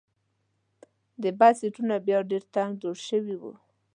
د بس سیټونه بیا ډېر تنګ جوړ شوي وو.